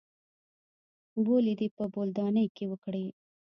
بولې دې په بولدانۍ کښې وکړې.